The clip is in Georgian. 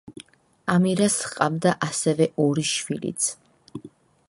ამირას ჰყავდა ასევე სხვა ორი შვილიც.